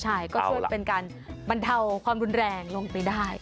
ใช่ก็ช่วยเป็นการบรรเทาความรุนแรงลงไปได้